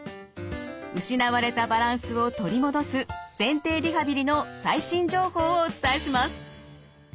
失われたバランスを取り戻す前庭リハビリの最新情報をお伝えします。